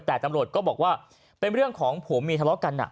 แต่ตำรวจก็บอกว่าเป็นเรื่องของผัวเมียทะเลาะกัน